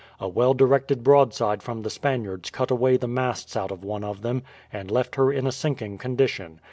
A well directed broadside from the Spaniards cut away the masts out of one of them, and left her in a sinking condition.